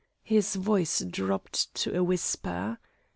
His voice dropped to a whisper.